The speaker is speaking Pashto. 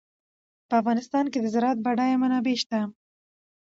په افغانستان کې د زراعت بډایه منابع شته.